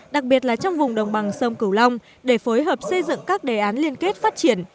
đặc biệt là trong vùng đồng bằng sông cửu long để phối hợp xây dựng các đề án liên kết phát triển